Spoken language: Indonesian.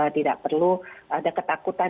tidak perlu ada ketakutan